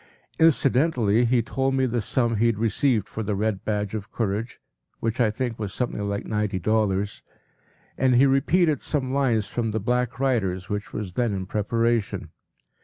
p> Incidentally he told me the sum he had received for “The Red Badge of Courage,” which I think was something like ninety dollars, and he repeated some lines from “The Black Riders,” which was then in preparation.